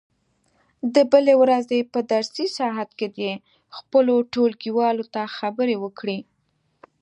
د بلې ورځې په درسي ساعت کې دې خپلو ټولګیوالو ته خبرې وکړي.